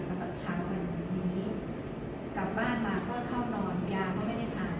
สำหรับเช้าวันนี้กลับบ้านมาก็เข้านอนยาก็ไม่ได้ทาน